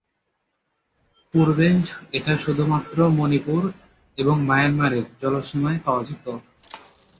পূর্বে এটা শুধুমাত্র মনিপুর এবং মায়ানমারের জলসীমায় পাওয়া যেতো।